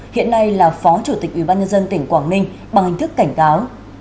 hiện nay là phó chủ tịch ủy ban nhân dân tỉnh quảng ninh bằng hình thức cảnh cáo